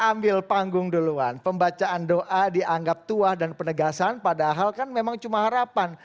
ambil panggung duluan pembacaan doa dianggap tuah dan penegasan padahal kan memang cuma harapan